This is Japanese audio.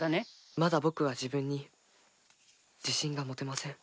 まだ僕は自分に自信が持てません。